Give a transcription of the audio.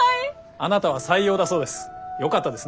あなたは採用だそうです。